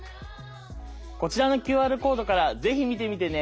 こちらのＱＲコードから是非見てみてね！